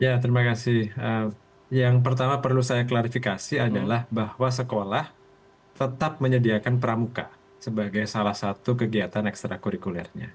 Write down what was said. ya terima kasih yang pertama perlu saya klarifikasi adalah bahwa sekolah tetap menyediakan pramuka sebagai salah satu kegiatan ekstra kurikulernya